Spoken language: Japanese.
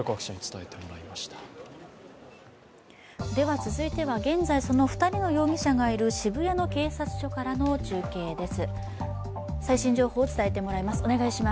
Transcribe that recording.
続いては現在、２人の容疑者がいる渋谷警察署からの中継です。